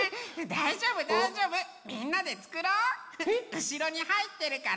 うしろにはいってるから。